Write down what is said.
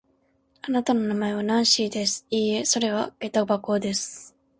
あなたの名前はナンシーです。いいえ、それはげた箱です。